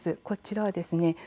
こちらはですね